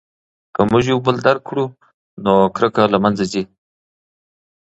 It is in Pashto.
که موږ یو بل درک کړو نو کرکه له منځه ځي.